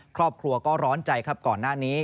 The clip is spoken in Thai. ครอบครัวก็ร้อนใจครับก่อนหน้านี้